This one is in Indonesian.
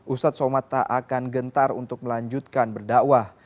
ustadz somad tak akan gentar untuk melanjutkan berdakwah